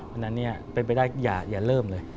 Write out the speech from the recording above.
เพราะฉะนั้นเป็นไปได้อย่าเริ่มเลย